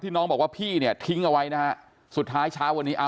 ที่น้องบอกว่าพี่ทิ้งเอาไว้นะสุดท้ายเวนอ่านวันนี้